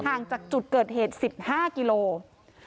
ห่างจากจุดเกิดเหตุ๑๕กิโลกรัม